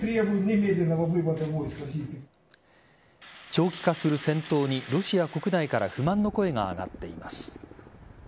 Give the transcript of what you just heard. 長期化する戦闘にロシア国内から不満の声が上がっています。